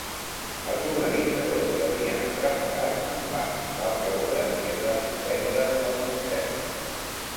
Els organitzadors s'havien atrafegat en va: va ploure i es va suspendre el concert.